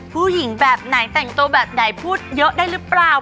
ผู้หญิงแบบไหนแต่งตัวแบบไหนพูดเยอะได้หรือเปล่า